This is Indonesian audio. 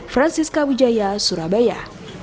francisca wijaya surabaya